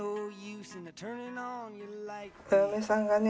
お嫁さんがね